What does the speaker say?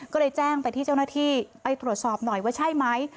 ก็เลยแจ้งไปที่เจ้าหน้าที่ไปตรวจสอบหน่อยว่าใช่ไหม